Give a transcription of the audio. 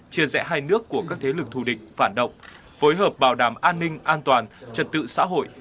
chia rẽ hai nước của các thế lực thù địch phản động phối hợp bảo đảm an ninh an toàn trật tự xã hội